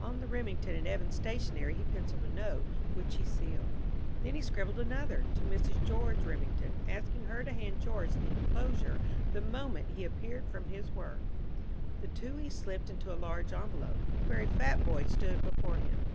On the Remington and Evans stationery he penciled a note, which he sealed. Then he scribbled another to Mrs. George Remington, asking her to hand George the inclosure the moment he appeared from his work. The two he slipped into a large envelope. The very fat boy stood before him.